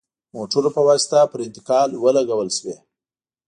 موټرو په واسطه پر انتقال ولګول شوې.